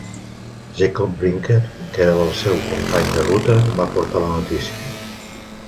Jacob Brinker, que era el seu company de ruta, va portar la notícia.